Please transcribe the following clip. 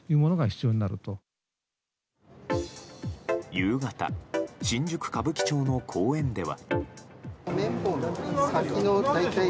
夕方新宿・歌舞伎町の公園では。